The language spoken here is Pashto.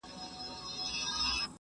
د سوداګریزو خونو رول ډېر مهم دی.